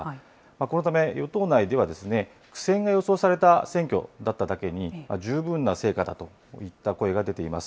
このため、与党内では苦戦が予想された選挙だっただけに、十分な成果だといった声が出ています。